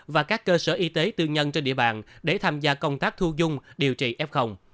và các cơ sở y tế tư nhân trên địa bàn để tham gia công tác thu dung điều trị f